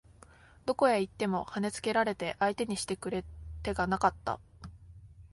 どこへ行っても跳ね付けられて相手にしてくれ手がなかった